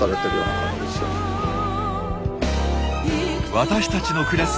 私たちの暮らす